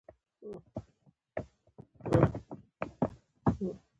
په مقاله کې باید رسمي توري وکارول شي.